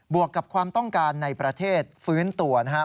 วกกับความต้องการในประเทศฟื้นตัวนะครับ